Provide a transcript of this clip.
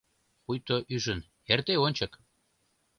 Пуйто ӱжын: «Эрте ончык!»